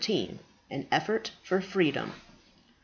AN EFFORT FOR FREEDOM.